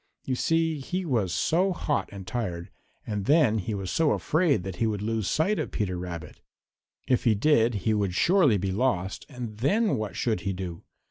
You see he was so hot and tired, and then he was so afraid that he would lose sight of Peter Rabbit. If he did he would surely be lost, and then what should he do?